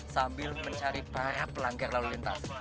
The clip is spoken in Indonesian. sambil mencari para pelanggar lalu lintas